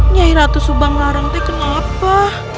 nyai ratu subanglarangte kenapa